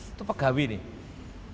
itu pegawai nih